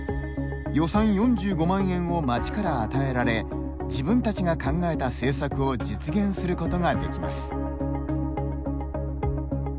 予算４５万円を町から与えられ自分たちが考えた政策を実現することができます。